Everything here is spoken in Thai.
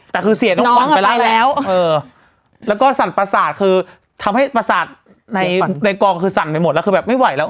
แต่คือเสียน้องขวัญไปแล้วแล้วก็สั่นประสาทคือทำให้ประสาทในกองคือสั่นไปหมดแล้วคือแบบไม่ไหวแล้ว